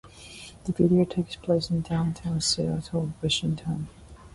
However, weight can be an influencing factor.